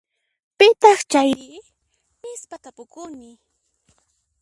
Pitaq chayri? Nispa tapukuni.